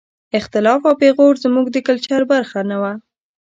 اختلاف او پېغور زموږ د کلچر برخه نه وه.